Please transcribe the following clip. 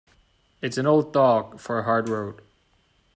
It's an old dog for a hard road.